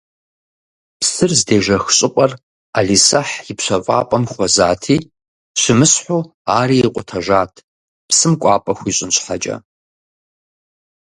Псыр здежэх щӏыпӏэр ӏэлисахь и пщэфӏапӏэм хуэзати, щымысхьу ари икъутэжат, псым кӏуапӏэ хуищӏын щхьэкӏэ.